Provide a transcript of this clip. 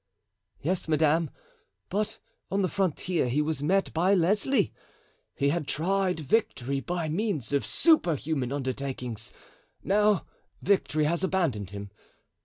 "Yes, madame; but on the frontier he was met by Lesly; he had tried victory by means of superhuman undertakings. Now victory has abandoned him.